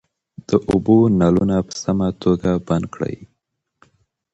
د اوبو نلونه په سمه توګه بند کړئ.